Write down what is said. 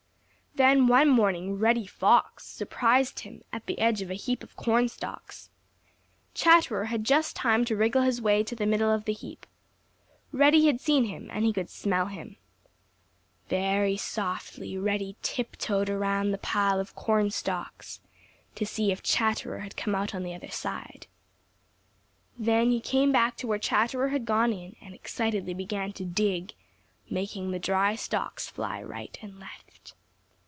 Then one morning Reddy Fox surprised him at the edge of a heap of cornstalks. Chatterer had just time to wriggle his way to the middle of the heap. Reddy had seen him, and he could smell him. Very softly Reddy tiptoed around the pile of cornstalks to see if Chatterer had come out on the other side. Then he came back to where Chatterer had gone in and excitedly began to dig, making the dry stalks fly right and left.